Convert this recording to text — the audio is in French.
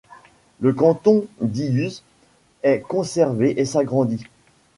Le canton d'Yutz est conservé et s'agrandit.